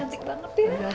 cantik banget ya